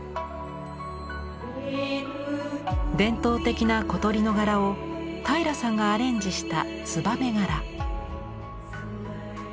伝統的な小鳥の柄を平良さんがアレンジしたツバメ柄。